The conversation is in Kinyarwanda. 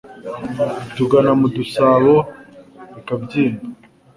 tugana mu dusabo bikabyimba.